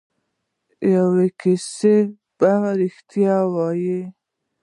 یوه کیسه به ریښتیا وي.